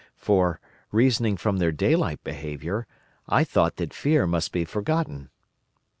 For, reasoning from their daylight behaviour, I thought that fear must be forgotten.